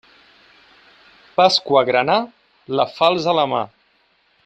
Pasqua granà, la falç a la mà.